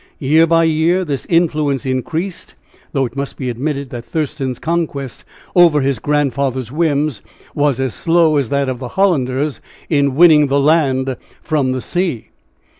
Year by year this influence increased, though it must be admitted that Thurston's conquest over his grandfather's whims was as slow as that of the Hollanders in winning the land from the sea.